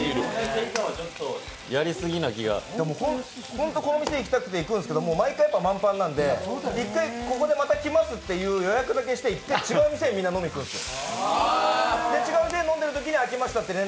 ほんとこの店行きたくて、行くんですけど、ほんと満員なので、１回、ここでまた来ますという予約だけして１回、違う店にみんなで飲みに行くんですよ。